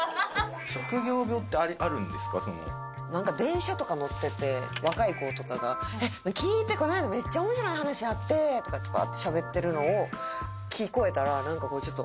なんか電車とか乗ってて若い子とかが「聞いてこの間めっちゃ面白い話あって」とかってバーッてしゃべってるのを聞こえたらなんかこうちょっと。